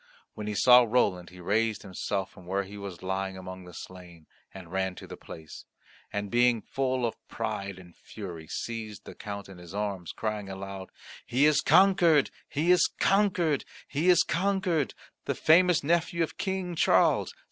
When he saw Roland, he raised himself from where he was lying among the slain and ran to the place, and, being full of pride and fury, seized the Count in his arms, crying aloud, "He is conquered, he is conquered, he is conquered, the famous nephew of King Charles!